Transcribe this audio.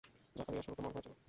জাকারিয়ার শুরুতে মনে হয়েছিল।